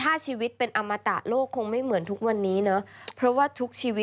ถ้าชีวิตเป็นอมตะโลกคงไม่เหมือนทุกวันนี้